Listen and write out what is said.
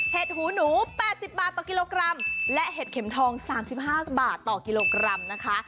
หูหนู๘๐บาทต่อกิโลกรัมและเห็ดเข็มทอง๓๕บาทต่อกิโลกรัมนะคะ